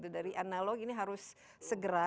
dari analog ini harus segera